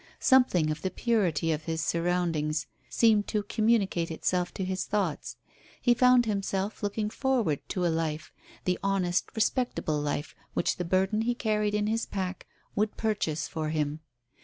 Something of the purity of his surroundings seemed to communicate itself to his thoughts. He found himself looking forward to a life, the honest, respectable life, which the burden he carried in his pack would purchase for him.